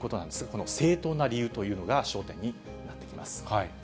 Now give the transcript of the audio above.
この正当な理由というのが焦点になってきます。